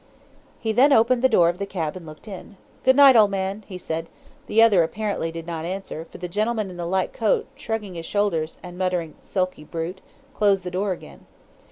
"He then opened the door of the cab and looked in. 'Good night, old man,' he said the other apparently did not answer, for the gentleman in the light coat, shrugging his shoulders, and muttering 'sulky brute,' closed the door again.